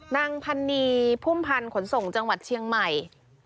นางพันนีพุ่มพันธ์ขนส่งจังหวัดเชียงใหม่